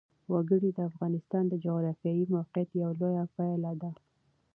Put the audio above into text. وګړي د افغانستان د جغرافیایي موقیعت یوه لویه پایله ده.